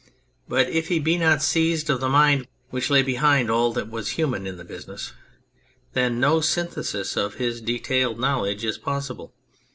But if he be not seized of the mind which lay behind all that was human in the business, then no synthesis of his detailed knowledge is possible.